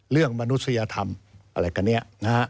เรื่องมนุษยธรรมอะไรกันเนี่ย